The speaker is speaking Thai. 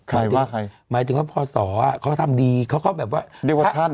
หมายถึงใครหมายถึงว่าพอสอเขาทำดีเขาก็แบบว่าเรียกว่าท่าน